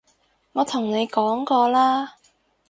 我同你講過啦